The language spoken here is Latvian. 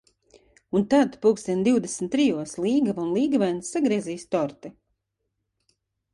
Un tad, pulkstens divdesmit trijos, līgava un līgavainis sagriezīs torti.